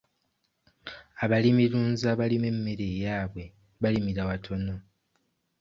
Abalimirunzi abalima emmere eyaabwe balimira watono.